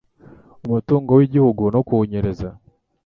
umutungo w'igihugu no kuwunyereza